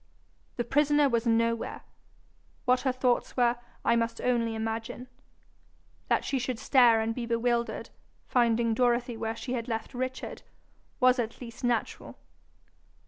The prisoner was nowhere. What her thoughts were, I must only imagine. That she should stare and be bewildered, finding Dorothy where she had left Richard, was at least natural.